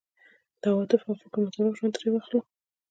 د عواطفو او فکر مطابق ژوند ترې اخلو.